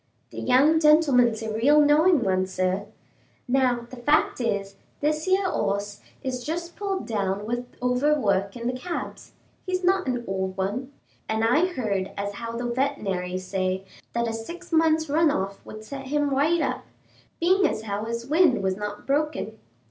"The young gentleman's a real knowing one, sir. Now, the fact is, this 'ere hoss is just pulled down with over work in the cabs; he's not an old one, and I heard as how the vetenary said that a six months' run off would set him right up, being as how his wind was not broken.